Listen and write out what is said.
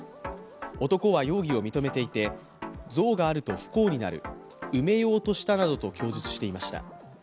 男は容疑を認めていて、像があると不幸になる、埋めようとしたなどと供述しました。